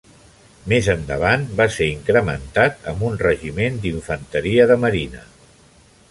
Més endavant va ser incrementat amb un regiment d'Infanteria de marina.